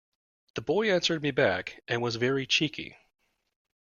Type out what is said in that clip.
The boy answered me back, and was very cheeky